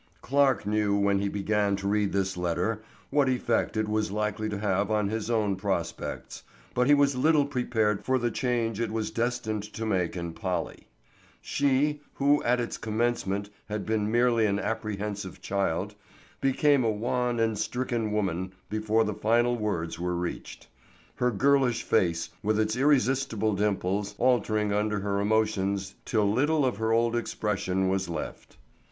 CLARKE knew when he began to read this letter what effect it was likely to have on his own prospects, but he was little prepared for the change it was destined to make in Polly. She, who at its commencement had been merely an apprehensive child, became a wan and stricken woman before the final words were reached; her girlish face, with its irresistible dimples, altering under her emotions till little of her old expression was left.